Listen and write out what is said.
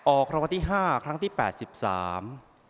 ออกคำวัติห้าครั้งที่แปดสิบสาม